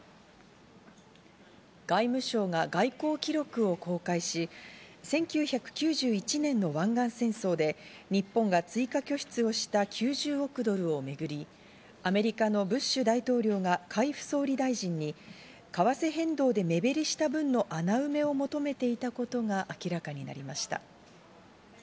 外務省が外交記録を公開し、１９９１年の湾岸戦争で日本が追加拠出をした９０億ドルをめぐりアメリカのブッシュ大統領が海部総理大臣に為替変動で目減りした分の穴埋めを求めていたことが明らかになりました。